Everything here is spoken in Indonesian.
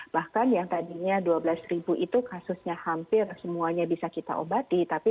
bahkan yang tadinya dua belas ribu itu kasusnya hampir semuanya bisa kita obati